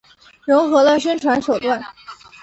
融合了宣传手段。